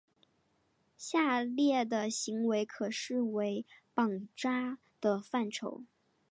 下列的行为可视为绑扎的范畴。